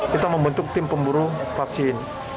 kita membentuk tim pemburu vaksin